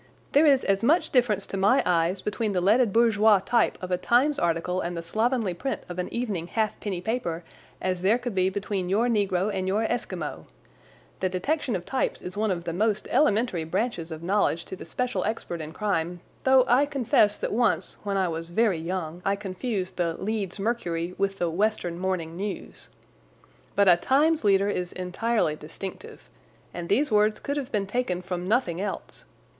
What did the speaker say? There is as much difference to my eyes between the leaded bourgeois type of a Times article and the slovenly print of an evening half penny paper as there could be between your negro and your Esquimau. The detection of types is one of the most elementary branches of knowledge to the special expert in crime, though I confess that once when I was very young I confused the Leeds Mercury with the Western Morning News. But a Times leader is entirely distinctive, and these words could have been taken from nothing else.